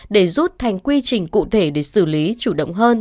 để rút thành quy trình cụ thể để xử lý chủ động hơn